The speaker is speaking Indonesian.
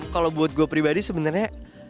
kalau buat gue pribadi sebenarnya